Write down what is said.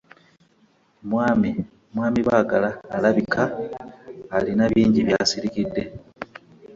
Mwami Baagala alabika alina bingi by'asirikidde.